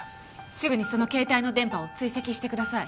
すぐにその携帯の電波を追跡してください。